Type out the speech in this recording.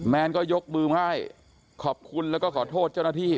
แมนก็ยกบือมภายขอบคุณและก็โทษเจ้าหน้าที่